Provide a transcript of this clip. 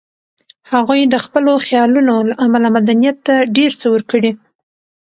هغوی د خپلو خیالونو له امله مدنیت ته ډېر څه ورکړي